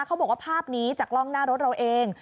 เขาบอกว่าภาพนี้จากกล้องหน้ารถเราเอง